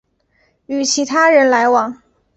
与其他人来往